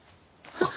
あっ。